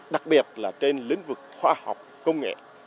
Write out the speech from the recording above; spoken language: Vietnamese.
đặc biệt là trên lĩnh vực khoa học công nghệ